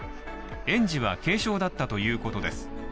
園児は軽傷だったということです。